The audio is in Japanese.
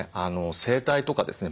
生態とかですね